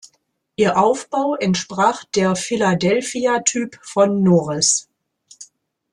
Ihr Aufbau entsprach der Philadelphia-Type von Norris.